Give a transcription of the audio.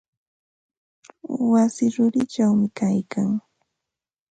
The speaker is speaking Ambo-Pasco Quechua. Wasi rurichawmi kaylkan.